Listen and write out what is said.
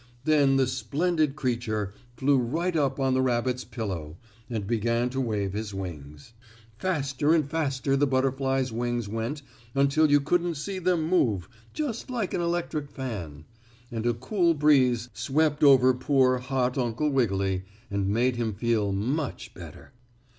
Then the splendid creature flew right up on the rabbit's pillow, and began to wave his wings. Faster and faster the butterfly's wings went until you couldn't see them move just like an electric fan. And a cool breeze swept over poor, hot Uncle Wiggily, and made him feel much better.